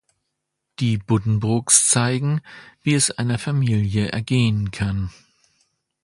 Die Buddenbrooks zeigen, wie es einer Familie ergehen kann.